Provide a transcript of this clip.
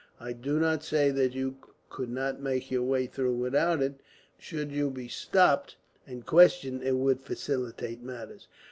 I do not say that you could not make your way through without it; but should you be stopped and questioned, it would facilitate matters.